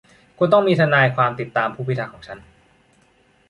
คุณต้องมีทนายความติดตามผู้พิทักษ์ของฉัน